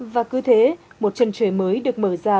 và cứ thế một trần trời mới được mở ra